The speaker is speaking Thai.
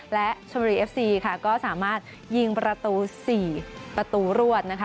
และชมบุรีเอฟซีค่ะก็สามารถยิงประตู๔ประตูรวดนะคะ